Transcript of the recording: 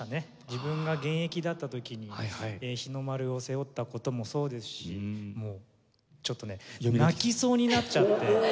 自分が現役だった時に日の丸を背負った事もそうですしもうちょっとね泣きそうになっちゃって。